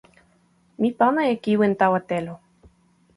mi pana e kiwen tawa telo.